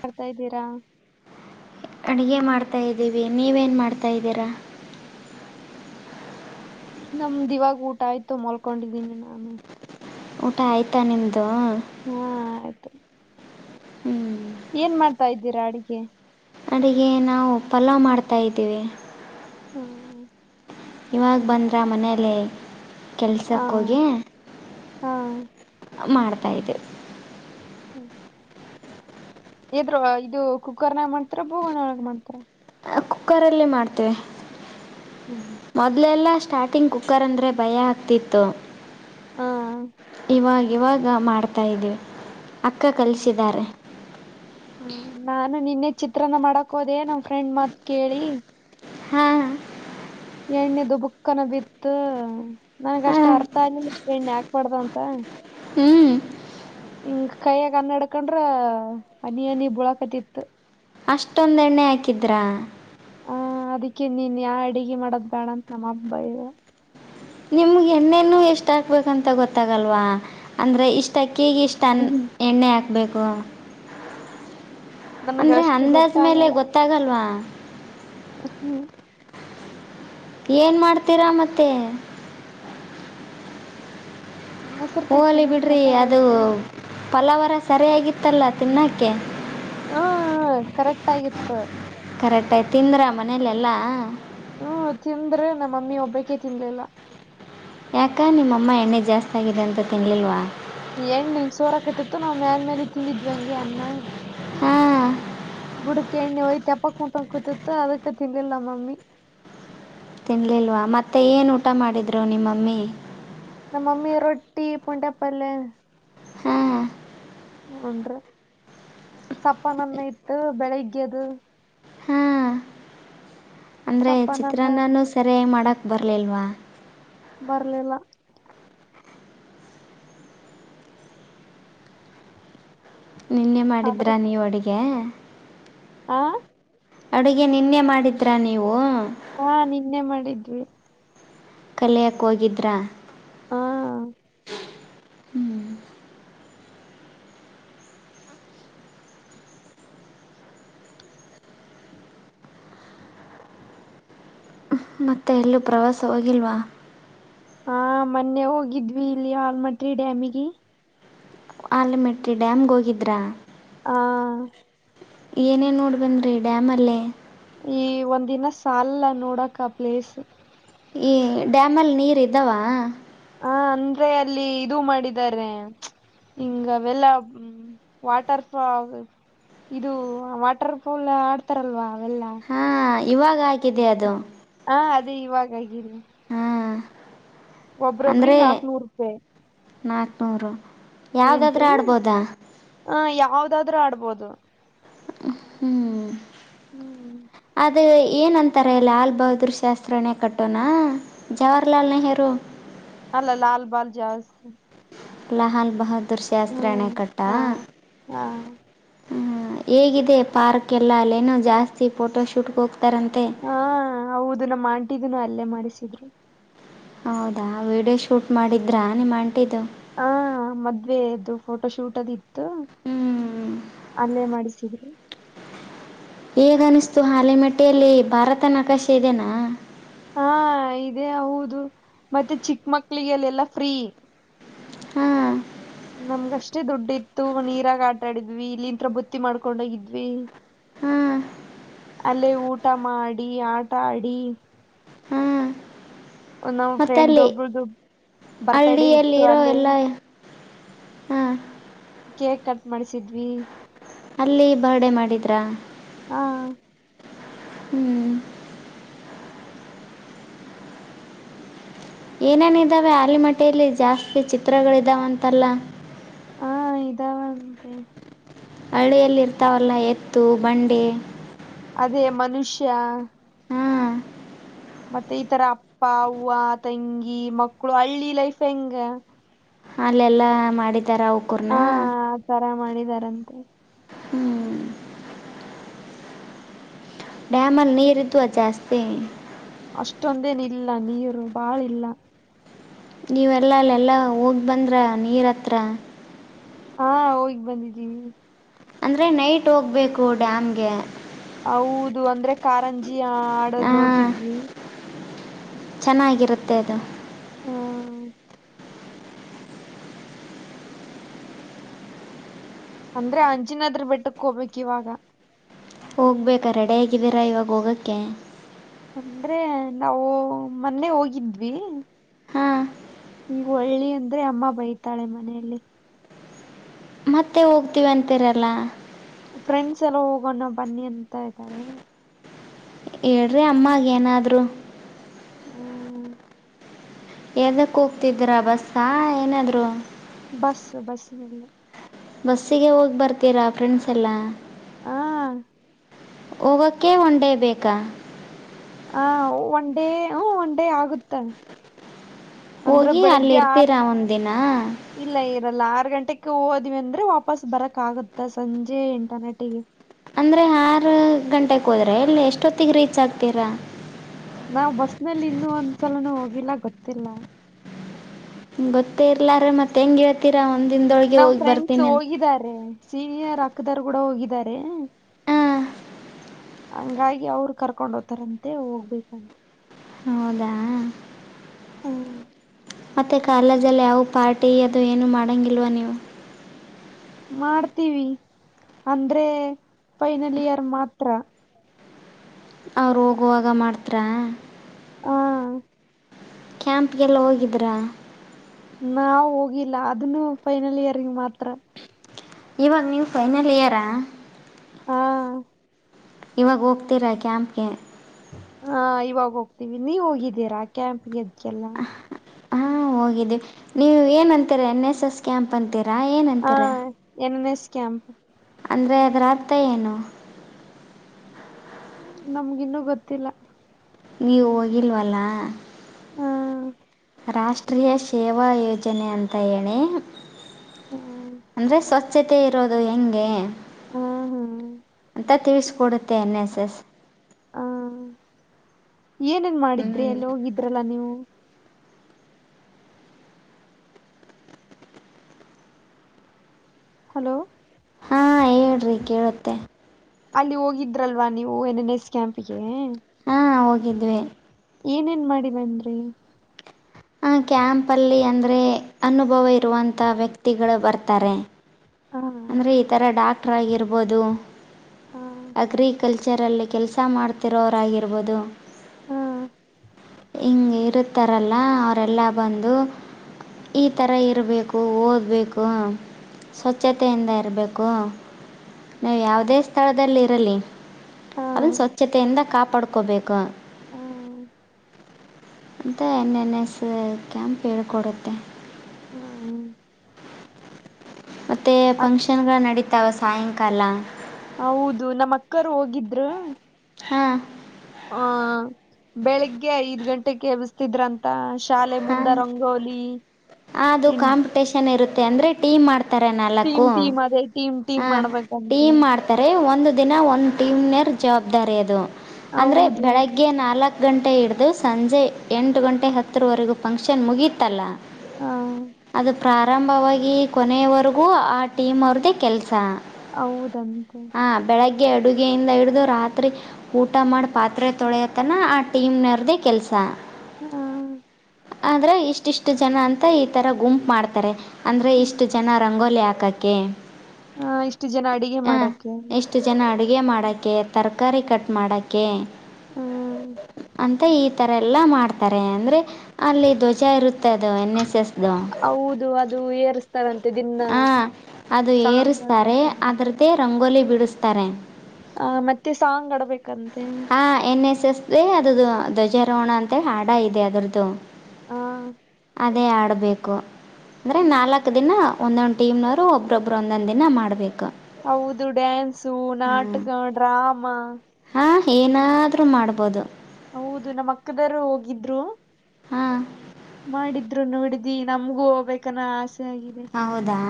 ಮಾಡ್ತಾ ಇದೀರಾ ಅಡಿಗೆ ಮಾಡ್ತಾ ಇದೀವಿ ನೀವೇನ್ ಮಾಡ್ತಾ ಇದೀರಾ ನಮ್ದುಇವಾಗ ಊಟ ಆಯ್ತು ಮಲ್ಕೊಂಡಿದೀನಿ ನಾನು ಊಟ ಆಯ್ತಾ ನಿಮ್ ಹುಂ ಆಯ್ತು ಹ್ಮ ಏನ್ ಮಾಡ್ತಾ ಇದ್ದೀರಾ ಅಡಿಗೆ ಅಡಿಗೆ ನಾವು ಪಲಾವ್ ಮಾಡ್ತಾ ಇದೇವೆ ಹ್ಮ್ ಇವಾಗ್ ಬಂದ್ರಾ ಮನೇಲೆ ಹ ಕೆಲ್ಸಕ್ಕೋಗಿ ಹಾ ಮಾಡ್ತಾ ಇದೆವಿ ಹ್ಮ ಇದ್ರುವ ಇದು ಕುಕ್ಕರ್ ನ್ಯಾಗ ಮಾಡ್ತೀರ ಭೂ ವಣಾ ಒಳಗ ಮಾಡ್ತೀರ ಕುಕ್ಕರಲ್ಲೆ ಮಾಡ್ತೇವೆ ಹ್ಮ್ ಮೊದಲ್ಲೆಲ್ಲ ಸ್ಟಾರ್ಟಿಂಗ್ ಕುಕ್ಕರ್ ಅಂದರೆ ಭಯ ಆಗ್ತಿತ್ತು ಆಂ ಇವಾಗ ಇವಾಗ ಮಾಡ್ತಾ ಇದ್ದೀವಿ ಅಕ್ಕ ಹ್ಮ ಕಲಿಸಿದ್ದಾರೆ ಹ್ಮ ನಾನು ನಿನ್ನೆ ಚಿತ್ರನ ಮಾಡಕ್ ಹೋದೆೇ ನಮ್ ಫ್ರೆಂಡ್ ಮಾತ್ ಕೇಳಿ ಹಾ ಎಣ್ಣೆ ದುಬುಕ್ಕನ ಬಿತ್ತು ನನ್ಗಷ್ಟು ಹಾಂ ಅರ್ಥ ಅಂದ ಇಷ್ಟ ಎಣ್ಣೆ ಹಾಕ್ಬಾರ್ದ ಅಂತ ಹ ಹ್ಞೂ ಹಿಂಗ್ ಕೈಯಾಗ ಅನ್ನಾಡ್ಕೊಂಡ್ರ ಹನಿ ಹನಿ ಬುಳಕತಿತ್ತು ಅಷ್ಟೊಂದೆಣ್ಣೆ ಹಾಕಿದ್ರಾ ಹಾ ಅದಕ್ಕೆ ನೀನ್ ಯಾ ಅಡುಗೆ ಮಾಡದ್ ಬೇಡ ಅಂತ ನಮ್ಮ ಹಬ್ಬ ಇ ನಿಮ್ಗೆ ಎಣ್ಣೆನು ಎಷ್ಟ ಹಾಕ್ಬೇಕಂತ ಗೊತ್ತಾಗಲ್ವಾ ಅಂದ್ರೆ ಇಷ್ಟ ಕೇಗೆಿಷ್ಟು ಅನ್ನ ಎಣ್ಣೆ ಹಾಕ್ಬೇಕು ನನಗ ಅಂದ್ರೆ ಅಷ್ಟು ಅಂದಾಜ ಮೇಲೆ ಗೊತ್ತಾಗಲ್ಲ ಗೊತ್ತಾಗಲ್ವಾ ಹ್ಮ್ ಏನ್ ಮಾಡ್ತೀರಾ ಮತ್ತೆ ಉಸರುತಿಗ್ತೀನಿ ಈ ಪ್ರಸಬಯತ ಫಲವರ ಸರಿಯಾಗಿತ್ತಲ್ಲ ತಿನ್ನೋಕ್ಕೆ ಹಾ ಕರೆಕ್ಟ್ ಆಗಿತ್ತು ಕಟಾಯ ತಿಂದ್ರ ಮನೇಲೆೆಲ್ಲಾ ಹ್ಮ ತಿಂದ್ರೆ ನಮ್ಮಮ್ಮಿ ಒಬ್ಬಕೆ ತಿನ್ಲಿಲ್ಲ ಯಾಕ ನಿಮ್ಮಮ್ಮ ಎಣ್ಣೆ ಜಾಸ್ತಿ ಆಗಿದೆ ಅಂತ ತಿನ್ಲಿಲ್ವಾ ಎಣ್ಣ ಸೋರಕೈತಿತ್ತು ನಾವ್ ಮ್ಯಲ್ ಮೇಲೆ ತಿಂದಿದ್ವಿ ಹಂಗೆ ಅನ್ನ ಹಾಂ ಬುಡಕಿ ಎಣ್ಣೆ ವಯಿತೆಪ್ಪಕ್ಕೂಟಂ ಕುೂತಿತ್ತು ಅದಕ್ಕೆ ತಿನ್ನಿಲ್ಲ ಮಮ್ಮಿ ತಿನ್ಲಿಲ್ವಾ ಮತ್ತೆ ಏನ್ ಊಟ ಮಾಡಿದ್ರು ನಿಮ್ಮಮ್ಮಿ ನಮ್ಮಮ್ಮಿ ರೊಟ್ಟಿ ಪುೊಂಡೆಪ್ಪಲ್ಲ ಹಾಂ ಹನ್ಿ ಸಪ್ಪನನ್ನ ಇಟ್ಟ ಬೆಳಗ್ದ ಹಾಂ ಅಂದರೆ ಸಪ್ಪನನ್ನ ಚಿತ್ರಾನ್ನೂ ಸೆರಿ ಮಾಡೋಕ್ಕೆ ಬರಲಿಲ್ವಾ ಬರ್ಲಿಲ್ಲ ನಿನ್ನೆ ಆದ್ರೆ ಮಾಡಿದ್ರಾ ನೀವು ಅಡುಗೆ ಆ ಅಡುಗೆ ನಿನ್ನೆ ಮಾಡಿದ್ರಾ ನೀವು ಹಾ ನಿನ್ನೆ ಮಾಡಿದ್ವಿ ಕಲಿಯಕ್ಕೆ ಹೋಗಿದ್ರಾ ಹಾ ಮತ್ತೆ ಎಲ್ಲೂ ಪ್ರವಾಸ ಹೋಗಿಲ್ವಾ ಹಾ ಮೊನ್ನೆ ಹೋಗಿದ್ವಿ ಇಲ್ಲಿ ಆಲ್ಮಟ್ರಿ ಡ್ಯಾಮಿಗೆ ಆಲಮೆಟ್ಟಿ ಡ್ಯಾಮ್ಗೆ ಹೋಗಿದ್ರಾ ಹಾ ಏನೇನ್ ನೋಡ್ಬೇನ್ರಿ ಡ್ಯಾಮ್ ಅಲ್ಲೇ ಈ ಒಂದಿನ ಸಾಲ ನೋಡಕ್ ಆ ಪ್ಲೇಸ್ ಈ ಡ್ಯಾಮಲ್ಲಿ ನೀರು ಇದ್ದಾವ ಹ ಅಂದ್ರೆ ಅಲ್ಲಿ ಇದು ಮಾಡಿದ್ದಾರೆ ಇಂಗ ವಲ್ಲ ವಾಟರ್ಫಾಲ್ ಇದು ವಾಟರ್ ಪೂಲ್ ಆಡ್ತಾರಲ್ವಾ ಅವೆಲ್ಲಾ ಹಾ ಇವಾಗ ಹಾಕಿದೆ ಅದು ಹಾ ಅದೇ ಇವಾಗಗಿ ಅಂದ್ರೆ ಒಬ್ರೊಬ್ರಿಗೆ ನಾಕ್ನೂರು ನಾಕ್ನೂರು ಎಏಂಟ್ರಿ ಹ ಯಾವ್ದಾದ್ರೂ ಆಡ್ಬೋದು ಹ್ಮ್ ಹ್ಮ್ ಏನಂತಾರೆ ಲಾಲ್ ಬಹದ್ದೂರ್ ಶಾಸ್ತ್ರನೇ ಕಟ್ಟೋಣ ಜವಾಹರ್ಲಾಲ್ ನೆಹರು ನಲ್ಲ ಲಾಲ್ಬಾಲ್ ಜಾಸ್ ಲಹಾಲ್ ಬಹ್ದೂರ್ ಶಾಸ್ತ್ರಣೆ ಹ್ಮ್ ಕಟ್ಟ ಹ ಹ ಹ ಹೇಗಿದೆ ಪಾರ್ಕ್ ಎಲ್ಲ ಅಲ್ಲೇನೋ ಜಾಸ್ತಿ ಫೋಟೋ ಶೂಟ್ಗೆ ಹೋಗ್ತ ಹಾ ಹೌದು ನಮ್ಮ ಆಂಟಿದನು ಅಲ್ಲೇ ಮಾಡಿಸಿದ್ರು ಹೌದಾ ವೀಡಿಯೋ ಶೂಟ್ ಮಾಡಿದ್ರ ನಿಮ್ಮ ಅಂಟಿದ್ದು ಹಾ ಮದ್ವೆ ಅದು ಫೋಟೋ ಶೂಟ್ ಅದ ಇತ್ತು ಹ್ಮ್ ಅಲ್ಲೇ ಮಾಡಿಸಿದ್ರು ಹೇಗ ಅನಿಸ್ತು ಹಾಲೆಮೆಟ್ಟೆಯಲ್ಲಿ ಭಾರತ ನಕಾಶೆ ಇದೆನಾ ಹಾ ಇದೇ ಹೌದು ಮತ್ತೆ ಚಿಕ್ಕ ಮಕ್ಳಿಗೆಲ್ಲ ಎಲ್ಲಾ ಫ್ರೀ ಹಾ ನಮ್ಗ ಅಷ್ಟೇ ದುಡ್ಡಿ ಇತ್ತು ನೀರಾಗ ಆಟಾಡಿದ್ವಿ ಇಲ್ಲಿಂತ್ರರ ಬುತ್ತಿ ಮಾಡ್ಕೊಂಡೋಗಿದ್ವಿ ಹಾ ಅಲ್ಲೇ ಊಟ ಮಾಡಿ ಆಟಾಡಿ ಮತ್ತ ಅಲ್ಲಿ ಒಬ್ರದು ಬರ್ತ್ಡೇ ಇತ್ತು ಹಳ್ಳಿಯಲ್ಲಿರೋ ಅಲ್ಲೇ ಎಲ್ಲ ಹ್ಮ ಕೇಕ್ ಕಟ್ ಮಾಡಿಸಿದ್ವಿ ಅಲ್ಲಿ ಬರ್ಡೆ ಮಾಡಿದ್ರಾ ಹಾ ಹ್ಮ್ ಏನೇನಿದ್ದಾವೆ ಆಲಿಮಟ್ಟೆಯಲ್ಲಿ ಜಾಸ್ತಿ ಚಿತ್ರಗಳಿದ್ದಾವಂತಲ್ಲ ಹಾ ಇದಾವ ಹಳ್ಳಿಯಲ್ಲಿ ಇರ್ತಾವಲ್ಲ ಎತ್ತು ಬಂಡೆ ಅದೇ ಮನುಷ್ಯ ಹಾ ಮತ್ತೆ ಈತರ ಅಪ್ಪ ಹೂವ ತಂಗಿ ಮಕ್ಕಳು ಹಳ್ಳಿ ಲೈಫ್ ಹೆಂಗ ಅಲ್ಲೆಲ್ಲಾ ಮಾಡಿದಾರ ಅವಕೂರ್ನ ಎ ಮಾಡಿದಾರಂತೆ ಹ್ಮ್ ಡ್ಯಾಮಲ್ಲಿ ನೀರಿದ್ದ್ ಜಾಸ್ತಿ ಅಷ್ಟೊಂದೇನಲ್ಲ ನೀರು ಬಾಳಿಲ್ಲ ನೀವೆಲ್ಲ ಅಲ್ಲ ಎಲ್ಲ ಹೋಗಿ ಬಂದ್ರ ನೀರ್ ಹತ್ರ ಹಾ ಹೋಗಿ ಬಂದಿದ್ದೀ ಅಂದ್ರೆ ನೈಟ್ ಹೋಗ್ಬೇಕು ಡ್ಯಾಮ್ಗೆ ಹೌದು ಅಂದ್ರೆ ಕಾರಂಜಿ ಹಾ ಆಡೋದ್ ನೋಡ್ತಿದ್ವಿ ಚೆನ್ನಾಗಿರುತ್ತೆ ಅದು ಹ್ಮ್ ಅಂದ್ರೆ ಅಂಜಿನದ್ರ ಬೆಟ್ಟಕ್ಕೆ ಹೋಗ್ಬೇಕಕ್ ಇವಾಗ ಹೋಗ್ಬೇಕಾ ರೆಡ ಆಗಿದ್ದೀರಾ ಇವಾಗ ಹೋಗೋಕ್ಕೆ ಅಂದ್ರೆ ನಾವು ಮೊನ್ನೆ ಹೋಗಿದ್ವಿ ಹಾ ಈ ಒಳ್ಳಿ ಅಂದ್ರೆ ಅಮ್ಮ ಬೈತಾಳೆ ಮನೆಯಲ್ಲಿ ಮತ್ತೆ ಹೋಗ್ತಿವಿ ಅಂತರಲ್ಲ ಫ್ರೆಂಡ್ಸ್ ಎಲ್ಲ ಹೋಗೋಣ ಬನ್ನಿ ಅಂತ ಇದ್ದಾರೆ ಹೇಳ್ರಿ ಅಮ್ಮಗ ನಾದರೂ ಹ್ಮ್ ಎದಕ್ ಹೋಗ್ತಿದೀರಾ ಬಸ್ಸಾ ಏನಾದ್ರು ಬಸ್ ಬಸ್ಸಿನಲ್ಲಿ ಬಸ್ಸಿಗೆ ಹೋಗಿ ಬರ್ತೀರಾ ಫ್ರೆಂಡ್ಸ್ ಎಲ್ಲಾ ಹಾ ಹೋಗಕ್ಕೇ ಒಂಡೇ ಬೇಕಾ ಹ ಒನ್ ಡೇ ಹ ಒನ್ ಡೇ ಆಗುತ್ತೆ ಅಂದ್ರೆ ಹೋಗಿ ಅಲ್ಲಿ ಬೆಳಿಗ್ಗೆ ಆರ್ ಇರ್ತೀರಾ ಒಂದಿನ ಇಲ್ಲ ಲ್ಲ ಆರ್ರು ಗಂಟೆಗೆ ಹೋದ್ವಿ ಅಂದ್ರೆ ವಾಪಸ್ ಬರಕ್ ಆಗುತ್ತಾ ಸಂಜೆ ಇಂಟರ್ನೆಟಿಗೆ ಅಂದ್ರೆ ಆರು ಗಂಟೆಗೆ ಹೋದ್ರೆ ಇಲ್ಲಿ ಎಷ್ಟೊತ್ತಿಗೆ ರೀಚ್ ಆಗ್ತೀರಾ ನಾವ್ ಬಸ್ನಲ್ಲಿ ಇನ್ನು ಒಂದ್ಸಲನು ಹೋಗಿಲ್ಲ ಗೊತ್ತಿಲ್ಲ ಗೊತ್ತೇ ಇರ್ಲಾರ ಮತ್ತೆ ಹೆಂಗ ಹೇಳ್ತೀರಾ ಒಂದ ನಮ್ ಫ್ರೆಂಡ್ಸ್ ಹೋಗಿದ್ದಾರೆ ಸೀನಿಯರ್ ಅಕ್ಕದಾರ ಕೂಡ ಹೋಗಿದ್ದಾರೆ ಹಾಂ ಹಂಗಾಗಿ ಅವ್ರು ಕರ್ಕೊಂಡೋಗ್ತಾರಂತೆ ಹೋಗ್ಬೇಕಂತೆ ಹೌದಾ ಹ್ಮ್ ಮತ್ತೆ ಕಾಲೇಜಲ್ಲಿ ಯಾವ ಪಾರ್ಟಿ ಅದು ಏನುೂ ಮಾಡಂಗಿಲ್ವಾ ನೀವು ಮಾಡ್ತೀವಿ ಅಂದ್ರೆ ಫೈನಲ್ ಇಯರ್ ಮಾತ್ರ ಅವ್ರು ಹೋಗುವಾಗ ಮಾಡ್ತಾರ ಹ್ಮ ಕ್ಯಾಂಪ್ಗೆಲ್ಲ ಹೋಗಿದ್ರಾ. ನಾವ ಹೋಗಿಲ್ಲ ಅದನ್ನು ಫೈನಲ್ ಇಯರ್ಗೆ ಮಾತ್ರ. ಇವಾಗ ನೀವು ಫೈನಲ್ ಇಯರಾ. ಹಾ. ಇವಾಗ ಹೋಗ್ತೀರಾ ಕ್ಯಾಂಪ್ಗೆ. ಹಾ ಇವಾಗ ಹೋಗ್ತೀವಿ ನೀವ ಹೋಗಿದ್ದೀರಾ ಕ್ಯಾಂಪ್ ಎದಗೆಲ್ಲ. ಹಾ ಹೋಗಿದ್ದೀವಿ ನೀವು ಏನಂತೀರಾ ಎನ್ ಎಸ್ ಎಸ್ ಕ್ಯಾಂಪ್ ಅಂತೀರಾ ಹಾ ಏನಂತೀರಾ. N N S camp. ಅಂದ್ರೆ ಅದರಥ ಏನು. ನಮ್ಗಿನ್ನುೂ ಗೊತ್ತಿಲ್ಲ. ನೀವು ಹೋಗಿಲ್ವಲ್ಲಾ. ಹಾ ರಾಷ್ಟ್ರೀಯ ಸೇವಾ ಯೋಜನೆ ಅಂತ ಹೇಳಿ. ಹಾ ಅಂದ್ರೆ ಸ್ವಚ್ಛತೆ ಇರೋದು ಹೆಂಗೆ. ಹಾ ಹಾ ಅಂತ ತಿಳಿಸಕೊಡುತ್ತೆ ಎನ್ ಎಸ್ ಎಸ್ ಹಾ ಏನೇನ್ ಮಾಡಿದ್ರಿ ಹ್ಞೂ ಎಲ್ಲಿ ಹೋಗಿದ್ರಲ್ಲ ನೀವು. ಹಲೋ. ಹಾ ಹೇಳ್ರಿ ಕೇಳುತ್ತೆ. ಅಲ್ಲಿ ಹೋಗಿದ್ರಲ್ವಾ ನೀವು ಎನ್ ಎನ್ ಎಸ್ ಕ್ಯಾಂಪ ಗೆ. ಹಾ ಹೋಗಿದ್ವಿ. ಏನೇನ್ ಮಾಡಿವೇನ್ರಿ. ಆ ಕ್ಯಾಂಪ ಅಲ್ಲಿ ಅಂದ್ರೆ ಅನುಭವ ಇರುವಂತ ವ್ಯಕ್ತಿಗಳು ಬರ್ತಾರೆ. ಆ, ಅಂದ್ರೆ ಈ ತರ ಡಾಕ್ಟ್ರ ಆಗಿರ್ಬೋದು. ಆ, ಅಗ್ರಿಕಲ್ಚರಲ್ಲಿ ಕೆಲಸ ಮಾಡ್ತಿರೋರಾಗಿರ್ಬೋದು. ಹಾ. ಹಿಂಗೆ ಇರುತ್ತಾರಲ್ಲ ಅವರೆಲ್ಲ ಬಂದು. ಈ ಥರ ಇರಬೇಕು ಓದಬೇಕು ಸ್ವಚ್ ಸ್ವಚ್ಛತೆಯಿಂದ ಇರಬೇಕು ನೀವು ಯಾವುದೇ ಸ್ಥಳದಲ್ಲಿರಲಿ. ಆ, ಅದನ್ನ ಸ್ವಚ್ಛತೆಯಿಂದ ಕಾಪಾಡ್ಕೋಬೇಕು. ಆ, ಅಂತ ಎನ್ ಎನ್ ಎಸ್ ಕ್ಯಾಂಪ್ ಹೇಳ್ಕೊಡುತ್ತೆ. ಹಾ. ಮತ್ತೆ ಅ- ಫಂಕ್ಷನ್ಗಳ ನಡೀತಾವ ಸಾಯಂಕಾಲ. ಹ ಹೌದು ನಮ್ಮ್ ಅಕ್ಕರು ಹೋಗಿದ್ರರು. ಹಾ. ಹ ಬೆಳಿಗ್ಗೆ ಐದ್ ಗಂಟೆೆಗೆ ಎಿಸ್ತಿದ್ರಂತ. ಹ ಅದು ಕಾಂಪಿಟೇಷನ್ ಇರುತ್ತೆ ಅಂದ್ರೆ ಟೀಮ್ ಮಾಡ್ತ. ಥರ ನಾಲ್ಕು. ಟೀಮ್ ಟೀಮ್ ಅದೇ ಟೀಮ್ ಹ ಟೀಮ್ ಮಾಡ್ಬೇಕಂತೆ ಟೀಮ್ ಮಾಡ್ತಾರೆ ಒಂದು ದಿನ ಒಂದ್ ಟೀಮ್ನರ್. ಜವಾಬ್ದಾರಿ ಅದು ಅಂದರೆ ಹೌದು ಬೆಳಗ್ಗೆ ನಾಲ್ಕು. ಗಂಟೆ ಹಿಡಿದು ಸಂಜೆ ಎಂಟು ಗಂಟೆ ಹತ್ತರವರೆಗೂ ಫಂಕ್ಷನ್ ಮುಗಿಯಿತಲ್ಲ. ಆ, ಅದು ಪ್ರಾರಂಭವಾಗಿ ಕೊನೆಯವರೆಗೂ ಆ ಟೀಮ್ ಅವ್ರ್ದೇ ಕೆಲ್ಸ. ಹೌದಂತೆ. ಗೆ ಅಡುಗೆಯಿಂದ ಹಿಡಿದು ರಾತ್ರಿ ಊಟ ಮಾಡಿ ಪಾತ್ರೆ ತೊಳೆಯತನ ಆ ಟೀಮ್ನರ್ದ ಕೆಲಸ. ಹ್ಮ್. ಆದ್ರೆ ಇಷ್ಟ ಇಷ್ಟು ಜನ ಅಂತ ಈ ತರ ಗುಂಪು ಮಾಡ್ತಾರೆ ಅಂದ್ರೆ ಹ್ಮ್. ಇಷ್ಟು ಜನ ರ. ಹಂಗೋಲ್ ಹಾಕಕ್ಕೆ. ಹಾ ಇಷ್ಟು ಜನ ಅಡಿಗೆ ಮಾಡೋಕೆ. ಎಷ್ಟು ಜನ ಅಡುಗೆ ಮಾಡೋಕ್ಕೆ ತರಕಾರಿ ಕಟ್ ಮಾಡೋಕ್ಕೆ. ಹ್ಮ. ಅಂತ ಈ ತರ ಎಲ್ಲಾ ಮಾಡ್ತಾರೆ ಅಂದ್ರೆ. ಅಲ್ಲಿ ಧ್ವಜ ಇರುತ್ತೆ ಅದು ಎನ್ ಎಸ್ ಎಸ್್ದ ಹೌದು ಅದು ಏರಿಸ್ತಾರಂತೆ ದಿನ ಆ. ಅದು ಸಾಂಗ್ ಅರುಸ್ತಾರೆ ರೆ ಆಡ್ಬೇಕಂದ್ರೆ ಅದ್ರದ್ದೇ ರಂಗೋಲಿ ಬಿಡಿಸ್ತಾರೆ ಹ ಮತ್ತೆ ಸಾಂಗ್ ಆಡ್ಬೇಕು ಹಾ ಎನ್ ಎಸ್ ಸದ್ದೆ ಅದದು ಧ್ವಜಾರೋಹಣ ಅಂತ ಹಾಡ ಇದೆ ಅದರದ್ದು ಹಾ ಅದೇ ಆಡಬೇಕು ಅಂದ್ರೆ ನಾಲ್ಕ್ ದಿನ ಒಂದೊಂದ್ ಟೀಮ್ನವರು ಒಬ್ಬ್ರೊಬ್ರು ಒಂದೊಂದ್ ದಿನ ಮಾಡ್ಬೇಕು ಹೌದು ಡ್ಯಾನ್ಸು ನಾಟಕ ಡ್ರಾಮಾ ಹ ಏನಾದ್ರೂ ಮಾಡ್ಬೋದು ಹೌದು ನಮ್ಮ ಅಕ್ಕದಾರರು ಹೋಗಿದ್ರು ಹಾ ಹಡಿದಿ ನಮ್ಗೂ ಹೋಗ್ಬೇಕನ್ನ ಆಸೆ ಆಗಿದೆ ಹೌದಾ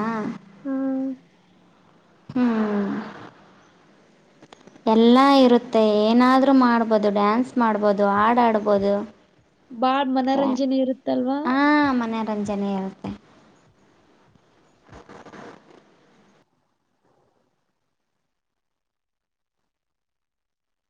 ಹ್ಮ್ ಹ್ಮ್ ಎಲ್ಲ ಇರುತ್ತೆ ಏನಾದ್ರೂ ಮಾಡ್ಬೋದು ಡ್ಯಾನ್ಸ್ ಮಾಡ್ಬೋದು ಹಡಾಡ್ಬೋದು ಬಾಡ್ ಮನರಂಜನೆ ಇರುತ್ತಲ್ವಾ ಮರಂಜನೆ ಇರುತ್ತೆ